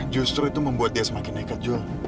justru itu membuat dia semakin neket jul